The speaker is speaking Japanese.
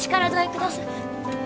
ください